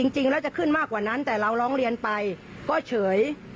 จริงแล้วจะขึ้นมากกว่านั้นแต่เราร้องเรียนไปก็เฉย